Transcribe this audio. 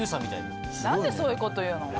なんでそういうこと言うの？